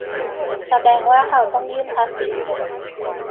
แสดงว่าเราต้องยื่นภาษี